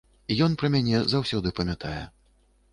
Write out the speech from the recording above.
Ён пра мяне заўсёды памятае.